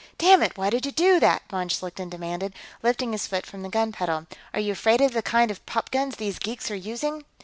"Dammit, why did you do that?" von Schlichten demanded, lifting his foot from the gun pedal. "Are you afraid of the kind of popguns those geeks are using?"